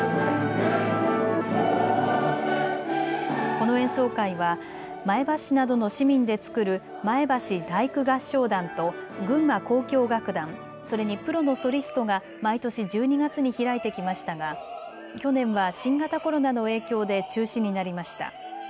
この演奏会は前橋市などの市民で作る前橋第九合唱団と群馬交響楽団、それにプロのソリストが毎年１２月に開いてきましたが去年は新型コロナの影響で中止になりました。